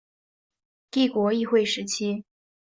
帝国议会时期。